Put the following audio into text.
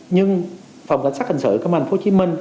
nhưng phòng cảnh sát hình sự công an thành phố hồ chí minh